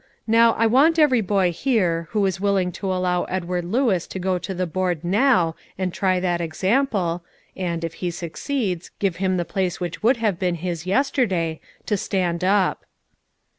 Now I want every boy here, who is willing to allow Edward Lewis to go to the board now and try that example, and, if he succeeds, give him the place which would have been his yesterday, to stand up."